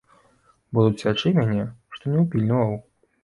Будуць сячы мяне, што не ўпільнаваў.